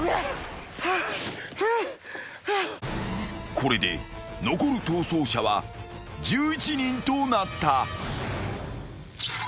［これで残る逃走者は１１人となった］